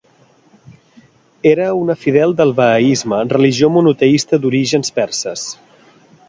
Era una fidel del Bahaisme, religió monoteista d'orígens perses.